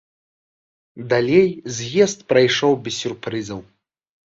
Далей з'езд прайшоў без сюрпрызаў.